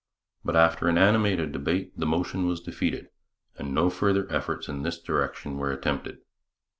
But after an animated debate the motion was defeated, and no further efforts in this direction were attempted.